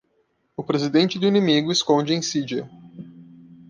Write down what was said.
O presente do inimigo esconde a insídia.